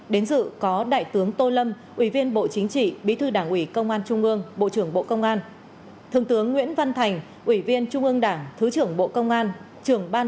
đến dự có đại tướng tô lâm ủy viên bộ chính trị bí thư đảng ủy công an trung ương bộ trưởng bộ công an thượng tướng nguyễn văn thành ủy viên trung ương đảng thứ trưởng bộ công an